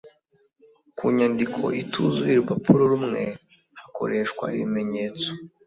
Ku nyandiko ituzuye urupapuro rumwe hakoreshwa ibimenyetso